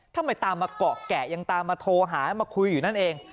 ทำไมตามมาเกาะแกะยังตามมาโทรหามาคุยอยู่นั่นเอง